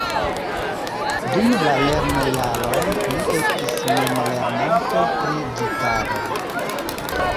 Dum la lernojaroj li estis memlernanto pri gitaro.